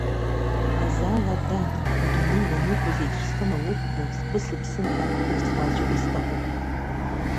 Базала, дад, удунеи уанықәыз еиԥш схы науқәкны, сгәы-сыԥсы нкаршәны суацәажәар сҭахуп.